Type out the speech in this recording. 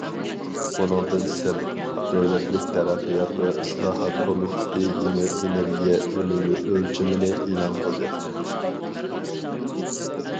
بۇنىڭدىن سىرت، دۆلەتلىك تەرەققىيات ۋە ئىسلاھات كومىتېتى يېڭى ئېنېرگىيە ئۈنۈمى ئۆلچىمىنى ئېلان قىلدى.